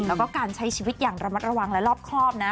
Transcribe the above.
แล้วก็การใช้ชีวิตอย่างระมัดระวังและรอบครอบนะ